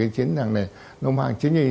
chiến trang này